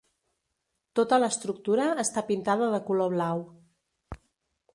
Tota l'estructura està pintada de color blau.